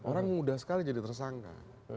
orang mudah sekali jadi tersangka